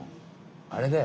あれだよ。